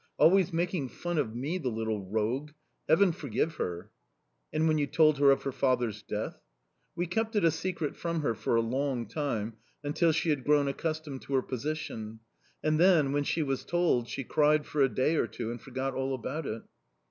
Always making fun of me, the little rogue!... Heaven forgive her!" "And when you told her of her father's death?" "We kept it a secret from her for a long time, until she had grown accustomed to her position; and then, when she was told, she cried for a day or two and forgot all about it.